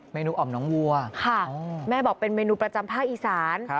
นูอ่อมน้องวัวค่ะแม่บอกเป็นเมนูประจำภาคอีสาน